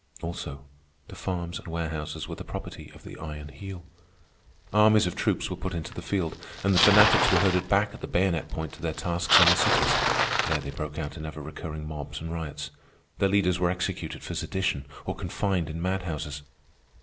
Also, the farms and warehouses were the property of the Iron Heel. Armies of troops were put into the field, and the fanatics were herded back at the bayonet point to their tasks in the cities. There they broke out in ever recurring mobs and riots. Their leaders were executed for sedition or confined in madhouses.